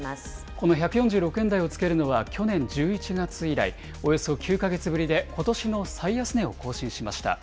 この１４６円台をつけるのは去年１１月以来、およそ９か月ぶりで、ことしの最安値を更新しました。